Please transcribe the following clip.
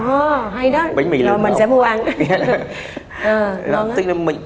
hay đó rồi mình sẽ mua ăn